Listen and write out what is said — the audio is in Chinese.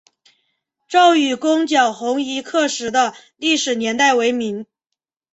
赵纾攻剿红夷刻石的历史年代为明。